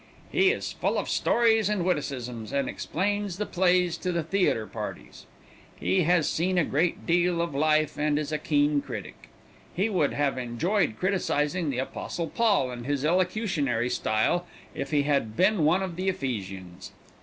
"He is full of stories and witticisms, and explains the plays to theater parties. He has seen a great deal of life and is a keen critic. He would have enjoyed criticising the Apostle Paul and his elocutionary style if he had been one of the Ephesians.